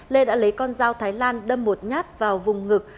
lê đã lấy con dao thái lan đâm một nhát vào vùng ngực